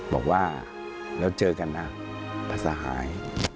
บอกว่าเราเจอกันนะพระสหาย